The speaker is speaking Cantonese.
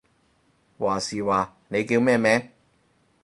話時話，你叫咩名？